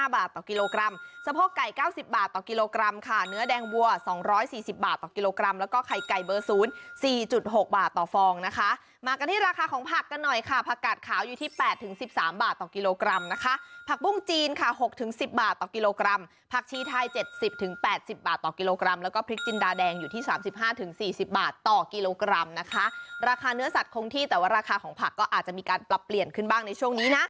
๒๐๕บาทต่อกิโลกรัมสะพกไก่๙๐บาทต่อกิโลกรัมค่ะเนื้อแดงวัว๒๔๐บาทต่อกิโลกรัมแล้วก็ไข่ไก่เบอร์ศูนย์๔๖บาทต่อฟองนะคะมากันที่ราคาของผักกันหน่อยค่ะผักกาดขาวอยู่ที่๘๑๓บาทต่อกิโลกรัมนะคะผักปุ้งจีนค่ะ๖๑๐บาทต่อกิโลกรัมผักชี้ไทย๗๐๘๐บาทต่อกิโลกรัมแล้วก็พริกจิน